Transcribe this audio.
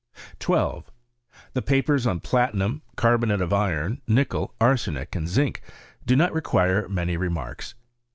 12. The papers on platinum, carbonate of iron, nickel, arsenic, and zinc, do not require many re marks.